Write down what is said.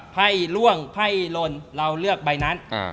ไพ่ล่วงไพ่ลนเราเลือกใบนั้น